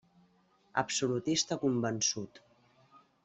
Absolutista convençut.